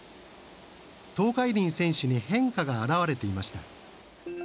東海林選手に変化が現れていました。